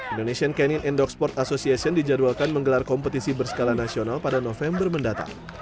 indonesian canin and dog sport association dijadwalkan menggelar kompetisi berskala nasional pada november mendatang